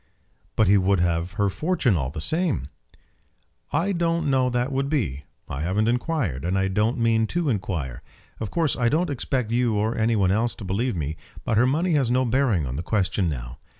"But he would have her fortune all the same?" "I don't know how that would be. I haven't inquired, and I don't mean to inquire. Of course I don't expect you or any one else to believe me, but her money has no bearing on the question now.